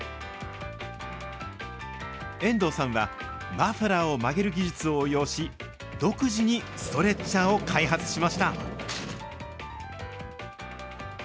遠藤さんは、マフラーを曲げる技術を応用し、独自にストレッチャーを開発しました。